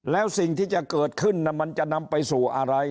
แล้วสิ่งที่จะเกิดขึ้นมันจะนำไปสู่อะไร